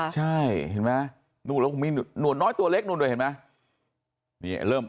ใช่เห็นไหมนู่นแล้วมีหนวดน้อยตัวเล็กนู่นด้วยเห็นไหม